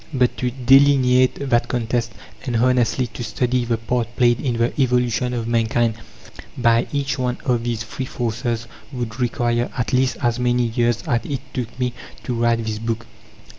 But to delineate that contest, and honestly to study the part played in the evolution of mankind by each one of these three forces, would require at least as many years as it took me to write this book.